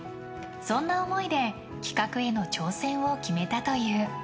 そんな思いで企画への挑戦を決めたという。